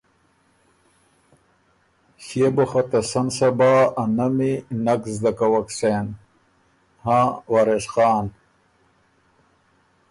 ݭيې بو خه ترمُن ته سن صبا ا نمی نک زدۀ کوک سېن، هاں وارث خان“